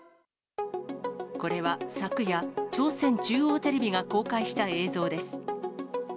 これは昨夜、朝鮮中央テレビが公開した映像です。